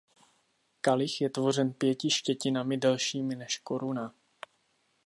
Kalich je tvořen pěti štětinami delšími než koruna.